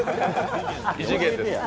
異次元です。